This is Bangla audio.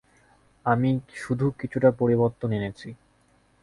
আমি শুধু কিছুটা পরিবর্তন এনেছি।